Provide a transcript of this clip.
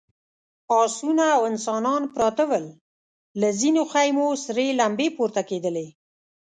آسونه او انسانان پراته ول، له ځينو خيمو سرې لمبې پورته کېدلې….